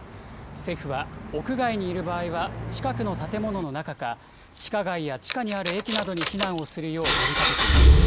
政府は屋外にいる場合は、近くの建物の中か、地下街や地下にある駅などに避難をするよう呼びかけています。